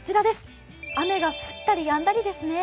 雨が降ったりやんだりですね。